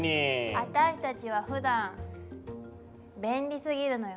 あたしたちはふだん便利すぎるのよ。